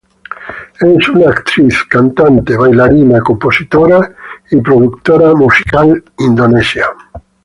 Es una actriz, cantante, bailarina, compositora y productor musical indonesia.